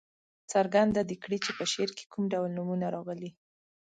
څرګنده دې کړي چې په شعر کې کوم ډول نومونه راغلي.